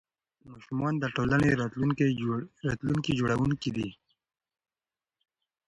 ماشومان د ټولنې راتلونکي جوړوونکي دي.